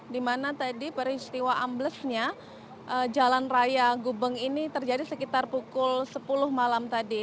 di mana tadi peristiwa amblesnya jalan raya gubeng ini terjadi sekitar pukul sepuluh malam tadi